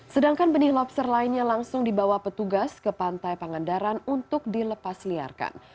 sedangkan benih lobster lainnya langsung dibawa petugas ke pantai pangandaran untuk dilepas liarkan